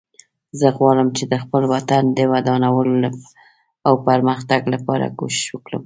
زه غواړم چې د خپل وطن د ودانولو او پرمختګ لپاره کوښښ وکړم